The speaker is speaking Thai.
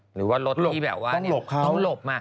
หรือว่ารถที่แบบว่าเขาหลบ